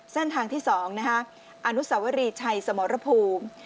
เส้นทางที่๒อนุสวรีชัยสมรภูมิ